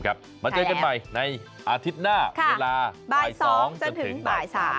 มาเจอกันใหม่ในอาทิตย์หน้าเวลาบ่าย๒จนถึงบ่าย๓